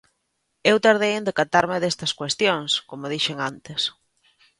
Eu tardei en decatarme destas cuestións, como dixen antes.